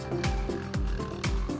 dalang sebagai narasi